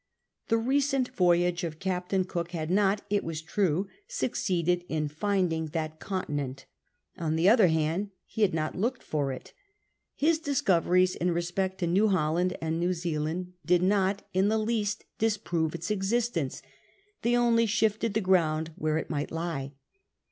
The recent voyage of Captain Cook had not, it was true, succeeded in finding that continent ; on the other hand, he had not looked for it. His discoveries in re spect to New Holland and New Zealand did not in the VII THE SOUTHERN CONTINENT 85 least disprove its existence : they only shifted the ground where it might lie.